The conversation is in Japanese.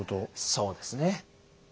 そうですね。